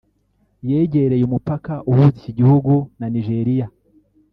yegereye umupaka uhuza iki gihugu na Nigeria